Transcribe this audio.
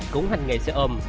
cũng hành nghề xe ôm